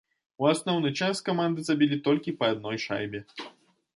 У асноўны час каманды забілі толькі па адной шайбе.